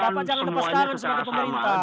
bapak jangan lepas tangan sebagai pemerintah